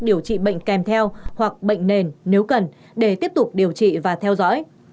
điều trị bệnh kèm theo hoặc bệnh nền nếu cần để tiếp tục điều trị và theo dõi